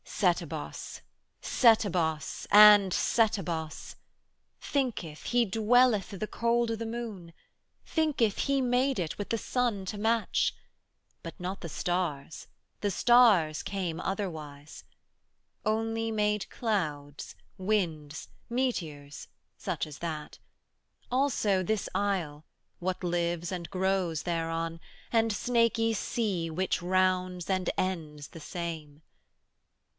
] Setebos, Setebos, and Setebos! 'Thinketh, He dwelleth i' the cold o' the moon. 25 Thinketh He made it, with the sun to match, But not the stars; the stars came otherwise; Only made clouds, winds, meteors, such as that; Also this isle, what lives and grows thereon, And snaky sea which rounds and ends the same.